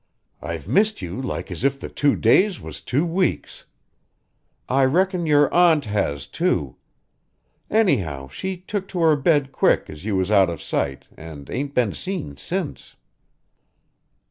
I've missed you like as if the two days was two weeks. I reckon your aunt has, too. Anyhow, she took to her bed quick as you was out of sight an' ain't been seen since."